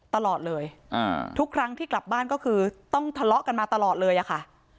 ตลอดเลยทุกครั้งที่กลับบ้านก็คือต้องทะเลาะกันมาตลอดเลยอะค่ะ